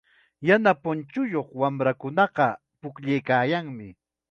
Yana punchuyuq wamrakunaqa pukllaykaayanmi.